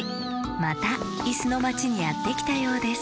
またいすのまちにやってきたようです